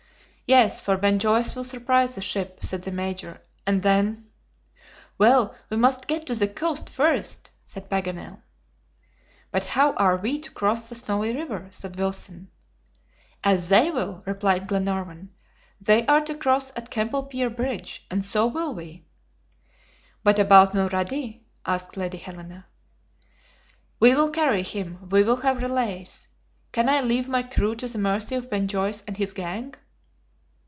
"Yes, for Ben Joyce will surprise the ship," said the Major, "and then " "Well, we must get to the coast first," said Paganel. "But how are we to cross the Snowy River?" said Wilson. "As they will," replied Glenarvan. "They are to cross at Kemple Pier Bridge, and so will we." "But about Mulrady?" asked Lady Helena. "We will carry him; we will have relays. Can I leave my crew to the mercy of Ben Joyce and his gang?"